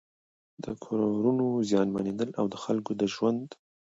د کورونو زيانمنېدل او د خلکو د ژوند